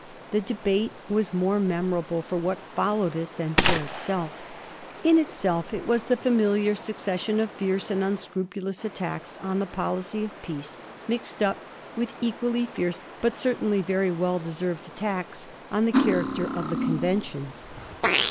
The debate was more memorable for what followed it than for itself. In itself it was the familiar succession of fierce and unscrupulous attacks on the policy of peace, mixed up with equally fierce but certainly very well deserved attacks on the character of the conven tion.